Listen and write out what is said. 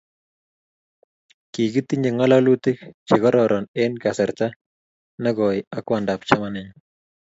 kikitinye ng'ololutik che kororon eng kasarta nekooi ak kwandab chamanenyu